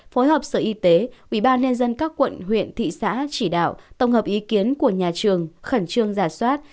phối hợp sở y tế ubnd các quận huyện thị xã chỉ đạo tổng hợp ý kiến của nhà trường khẩn trương giả soát